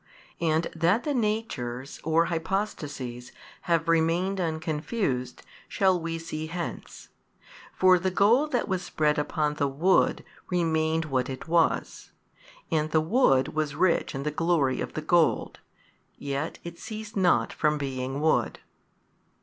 And that the Natures or Hypostases have remained unconfused, shall we see hence. For the gold that was spread upon the wood, remained what it was, and the wood was rich in the glory of the gold; yet it ceased not from being wood.